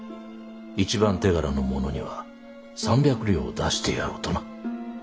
一番手柄の者には３百両を出してやろうとな。